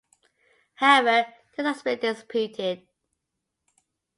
However, this has been disputed.